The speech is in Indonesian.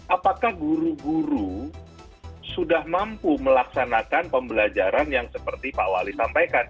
apakah guru guru sudah mampu melaksanakan pembelajaran yang seperti pak wali sampaikan